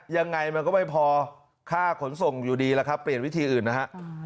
ยังไงมันก็ไม่พอค่าขนส่งอยู่ดีแล้วครับเปลี่ยนวิธีอื่นนะฮะ